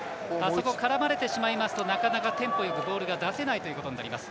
絡まれてしまいますと、なかなかテンポよくボールが出せないということになります。